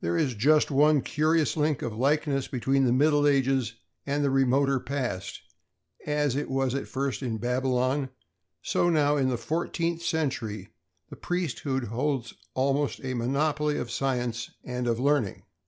There is just one curious link of likeness between the Middle Ages and the remoter past; as it was at first at Babylon, so now in the fourteenth century the priesthood holds almost a monopoly of science and of learning.